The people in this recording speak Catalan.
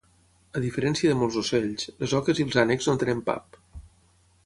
A diferència de molts ocells, les oques i els ànecs no tenen pap.